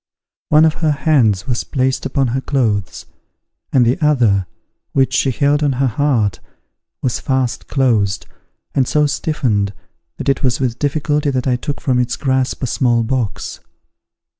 One of her hands was placed upon her clothes: and the other, which she held on her heart, was fast closed, and so stiffened, that it was with difficulty that I took from its grasp a small box.